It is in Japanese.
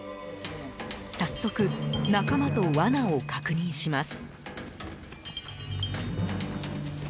早速、仲間と罠を確認します。